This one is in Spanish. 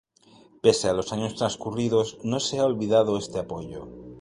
Pese a los años transcurridos, no se ha olvidado este apoyo.